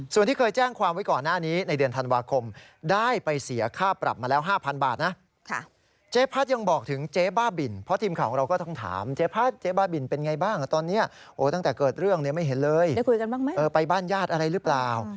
ส่วนที่เคยแจ้งความไว้ก่อนหน้านี้ในเดือนธันวาคม